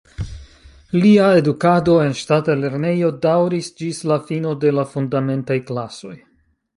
Lia edukado en ŝtata lernejo daŭris ĝis la fino de la fundamentaj klasoj.